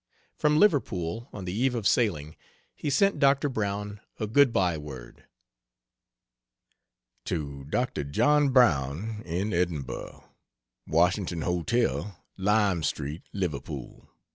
From Liverpool, on the eve of sailing, he sent Doctor Brown a good by word. To Dr. John Brown, in Edinburgh: WASHINGTON HOTEL, LIME STREET, LIVERPOOL.